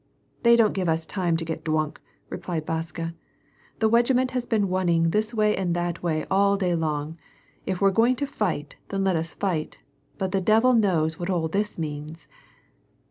" They don't give us time to get dwunk," replied Vaska. " The wegiment has been wunning this way and that way all day long. If we're going to fight, then let us fight. But the devil knows what all this means."